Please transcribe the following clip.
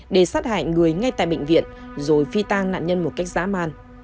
để sát hại người ngay tại bệnh viện rồi phi tan nạn nhân một cách giã man